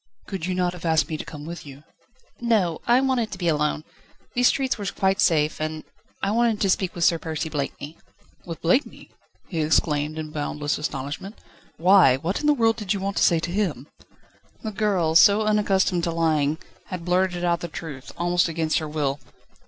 "Could you not have asked me to come with you?" "No; I wanted to be alone. The streets were quite safe, and I wanted to speak with Sir Percy Blakeney." "With Blakeney?" he exclaimed in boundless astonishment. "Why, what in the world did you want to say him?" The girl, so unaccustomed to lying, had blurted out the truth, almost against her will.